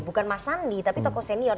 bukan mas sandi tapi tokoh senior